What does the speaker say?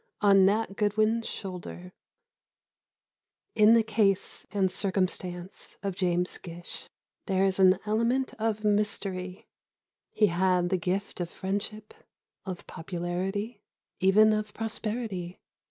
III ON NAT GOODWIN'S SHOULDER In the case and circumstance of James Gish, there is an element of mystery. He had the gift of friendship, of popularity, even of prosperity